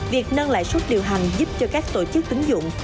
việc nâng lãi suất điều hành giúp cho các tổ chức tính dụng